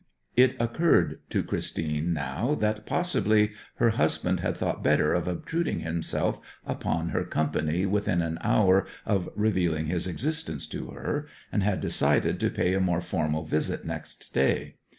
It occurred to Christine now that possibly her husband had thought better of obtruding himself upon her company within an hour of revealing his existence to her, and had decided to pay a more formal visit next day.